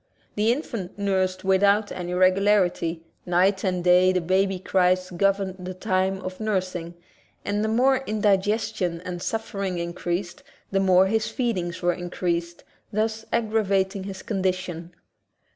The infant nursed without any regularity ; night and day the baby's cries governed the time of nursing and the more indigestion and suffering in creased the more his feedings were increased, thus aggravating his condition.